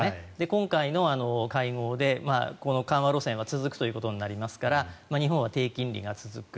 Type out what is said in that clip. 今回の会合でこの緩和路線は続くということになりますから日本は低金利が続く。